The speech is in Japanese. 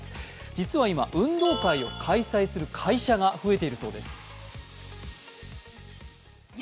実は今、運動会を開催する会社が増えているそうです。